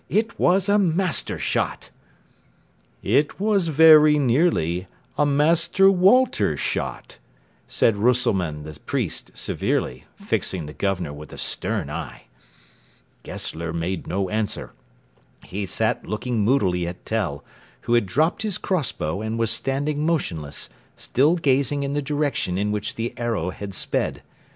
It was a master shot." "It was very nearly a 'Master Walter shot,'" said Rösselmann the priest severely, fixing the Governor with a stern eye. Gessler made no answer. He sat looking moodily at Tell, who had dropped his cross bow and was standing motionless, still gazing in the direction in which the arrow had sped.